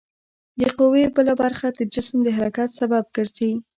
د قوې بله برخه د جسم د حرکت سبب ګرځي.